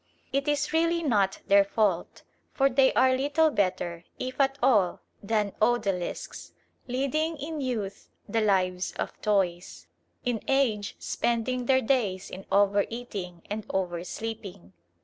It is really not their fault; for they are little better, if at all, than odalisques, leading in youth the lives of toys; in age spending their days in over eating and over sleeping.